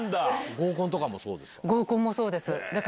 合コンとかもそうですか。